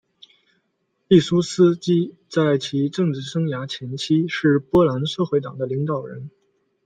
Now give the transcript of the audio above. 毕苏斯基在其政治生涯前期是波兰社会党的领导人。